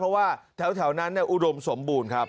เพราะว่าแถวนั้นอุดมสมบูรณ์ครับ